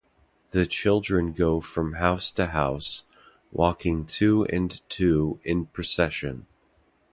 The children go from house to house, walking two and two in procession.